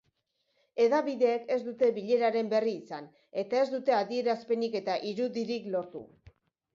Hedabideek ez dute bileraren berri izan eta ez dute adierazpenik eta irudirik lortu.